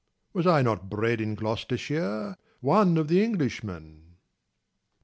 Was I not bred in Gloucestershire, One of the Englishmen !